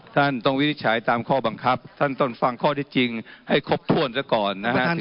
ท่านต้องวินิจฉัยตามข้อบังคับท่านต้องฟังข้อที่จริงให้ครบถ้วนซะก่อนนะฮะ